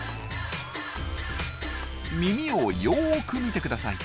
耳をよく見てください。